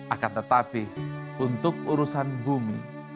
akan tetapi untuk urusan bumi